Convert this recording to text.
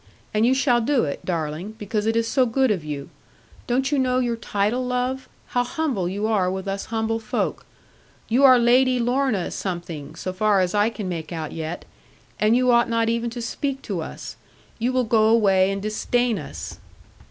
And you shall do it, darling; because it is so good of you. Don't you know your title, love? How humble you are with us humble folk. You are Lady Lorna something, so far as I can make out yet: and you ought not even to speak to us. You will go away and disdain us.'